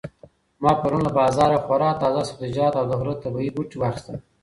ما پرون له بازاره خورا تازه سبزیجات او د غره طبیعي بوټي واخیستل.